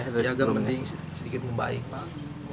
ya agak penting sedikit membaik pak